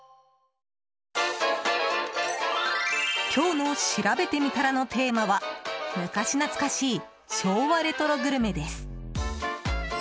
今日のしらべてみたらのテーマは昔懐かしい昭和レトログルメです。